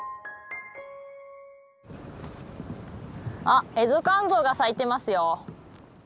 あっエゾカンゾウが咲いてますよ。